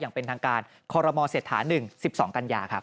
อย่างเป็นทางการคอรมณ์เสร็จถา๑๑๒กัญญา